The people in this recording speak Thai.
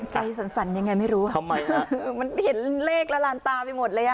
ใจสั่นยังไงไม่รู้มันเห็นเลขละลานตาไปหมดเลย